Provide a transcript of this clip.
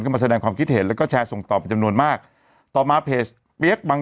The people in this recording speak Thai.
มาแสดงความคิดเห็นแล้วก็แชร์ส่งต่อไปจำนวนมากต่อมาเพจเปี๊ยกบัง